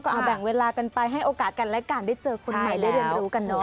ก็เอาแบ่งเวลากันไปให้โอกาสกันการได้เจอคนใหม่ได้เข้าใจแล้วกันนอด